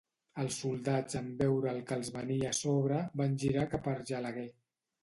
Els soldats en veure el que els venia a sobre van girar cap a Argelaguer.